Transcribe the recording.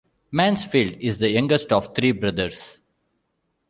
Mansfield is the youngest of three brothers.